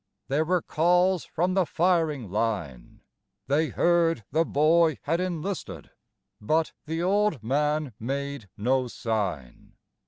There were calls from the firing line; They heard the boy had enlisted, but the old man made no sign.